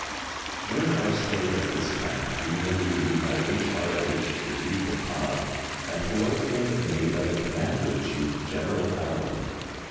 During our stay at this camp we were reviewed by H.R.H. the Duke of Connaught, and, towards the end of May, by the Commander in Chief, General Allenby.